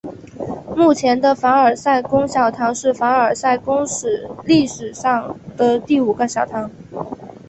目前的凡尔赛宫小堂是凡尔赛宫历史上的第五个小堂。